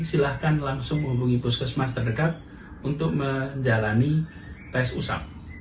silahkan langsung hubungi puskesmas terdekat untuk menjalani tes swab